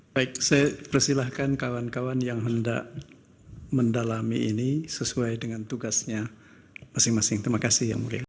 baik saya persilahkan kawan kawan yang hendak mendalami ini sesuai dengan tugasnya masing masing terima kasih yang mulia